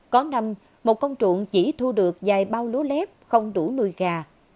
có năm một công trụng chỉ thu được dài bao lúa lép không đủ nuôi gà